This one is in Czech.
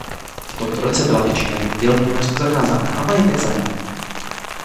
V tomto roce byla většina jeho děl v Německu zakázána a majetek zabaven.